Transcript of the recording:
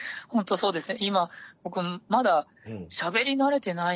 そうですね。